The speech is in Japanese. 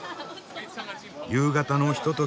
夕方のひととき。